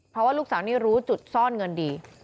เพราะว่าลูกสาวนี่รู้จุดซ่อนเงินดี